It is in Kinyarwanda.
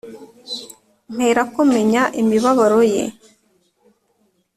mperako menya imibabaro ye